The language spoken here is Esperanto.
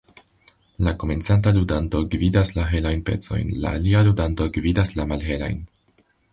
La komencanta ludanto gvidas la helajn pecojn, la alia ludanto gvidas la malhelajn.